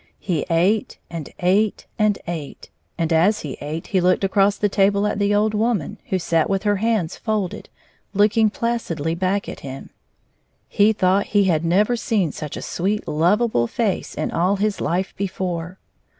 He ate and ate and ate, and as he ate, he looked across the table at the old woman, who sat with her hands folded, looking placidly back at him. He thought he had never seen such a sweet, lovable face in all his life before.